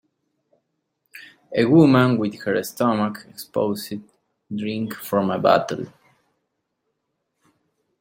A woman with her stomach exposed drink from a bottle.